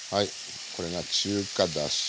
これが中華だし。